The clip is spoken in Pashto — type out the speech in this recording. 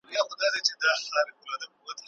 اقتصادي عدالت د اسلام هدف دی.